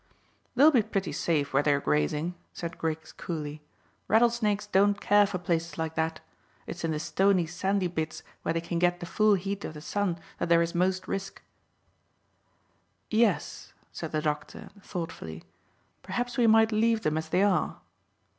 "They'll be pretty safe where they are grazing," said Griggs coolly. "Rattlesnakes don't care for places like that. It's in the stony sandy bits where they can get the full heat of the sun that there is most risk." "Yes," said the doctor thoughtfully; "perhaps we might leave them as they are."